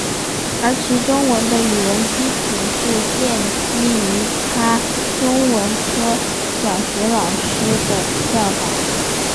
而其中文的语文基础是建基于他中文科小学老师的教导。